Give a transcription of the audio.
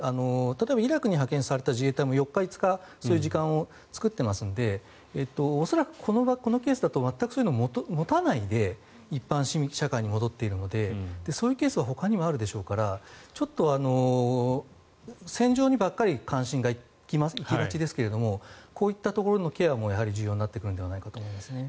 例えばイラクに派遣された自衛隊も４日、５日そういう時間を作っていますので恐らくこのケースだと全くそういうのを持たないで一般社会に戻っているのでそういうケースはほかにもあるでしょうからちょっと戦場にばかり関心が行きがちですがこういったところのケアも重要になってくると思いますね。